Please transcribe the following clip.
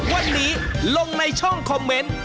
วันนี้ลงในช่องคอมเมนต์